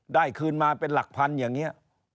คืนมาเป็นหลักพันอย่างนี้